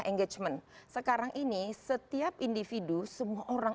itu cukup signifikan